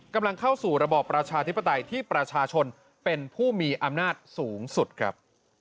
กำลังเข้าสู่ระบอบประชาธิปไตยที่ประชาชนเป็นผู้มีอำนาจสูงสุดครับ